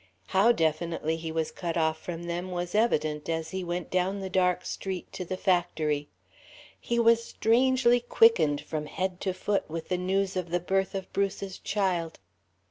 How definitely he was cut off from them was evident as he went down the dark street to the factory. He was strangely quickened, from head to foot, with the news of the birth of Bruce's child.